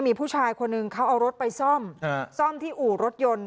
มีผู้ชายคนหนึ่งเขาเอารถไปซ่อมซ่อมที่อู่รถยนต์